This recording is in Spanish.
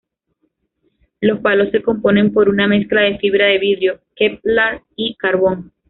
Los palos se componen por una mezcla de fibra de vidrio, kevlar, y carbón.